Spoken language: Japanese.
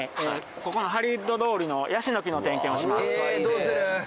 ここのハリウッド通りのヤシの木の点検をします。